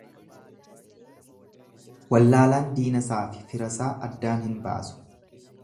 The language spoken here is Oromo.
Wallaalaan diinasaafi fira isaa addaan hin baasu.